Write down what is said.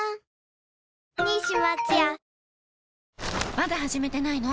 まだ始めてないの？